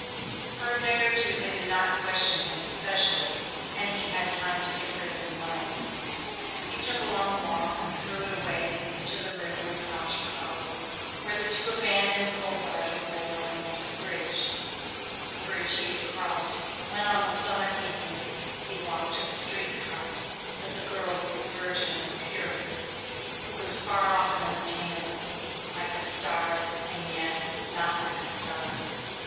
For a day or two they did not question him specially and he had time to get rid of the knife. He took a long walk and threw it away into the river in South Chicago where the two abandoned coal barges lay rotting under the bridge, the bridge he had crossed when on the summer evenings he walked to the street car with the girl who was virginal and pure, who was far off and unattainable, like a star and yet not like a star.